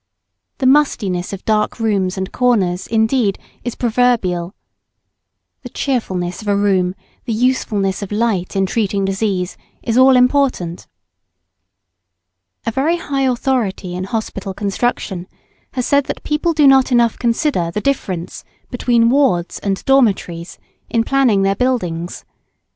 The mustiness of dark rooms and corners, indeed, is proverbial. The cheerfulness of a room, the usefulness of light in treating disease is all important. [Sidenote: Aspect, view, and sunlight matters of first importance to the sick.] A very high authority in hospital construction has said that people do not enough consider the difference between wards and dormitories in planning their buildings.